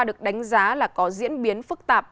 được đánh giá là có diễn biến phức tạp